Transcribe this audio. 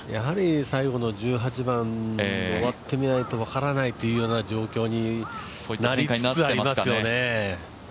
最後の１８番終わってみないと分からないという状況になりつつありますよね。